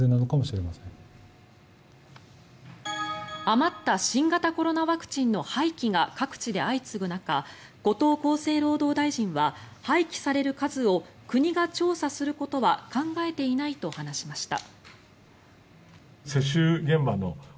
余った新型コロナワクチンの廃棄が各地で相次ぐ中後藤厚生労働大臣は廃棄される数を国が調査することは考えていないと話しました。